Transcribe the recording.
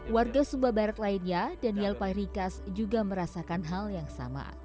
warga sumba barat lainnya daniel pahirikas juga merasakan hal yang sama